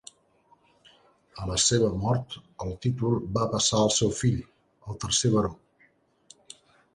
A la seva mort, el títol va passar al seu fill, el tercer Baró.